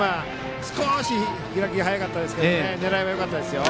少し開きが早かったですが狙いはよかったですよ。